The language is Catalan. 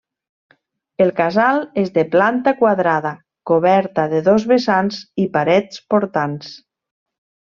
El casal és de planta quadrada, coberta de dos vessants i parets portants.